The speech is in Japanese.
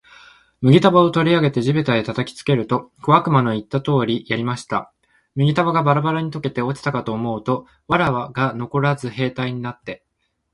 麦束を取り上げて地べたへ叩きつけると、小悪魔の言った通りやりました。麦束がバラバラに解けて落ちたかと思うと、藁がのこらず兵隊になって、